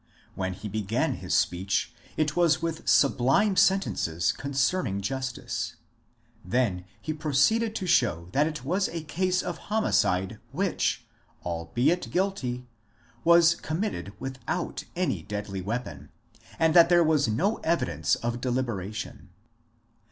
When he began his speech it was with sublime sentences concerning justice. Then he proceeded to show that it was a case of homicide which, albeit guilty, was committed without any deadly weapon, and that there was no evidence of deliberation.